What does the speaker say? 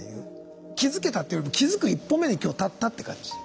気づけたっていうより気づく一歩目に今日立ったって感じ。